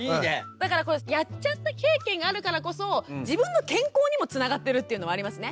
だからこれやっちゃった経験があるからこそ自分の健康にもつながってるっていうのもありますね。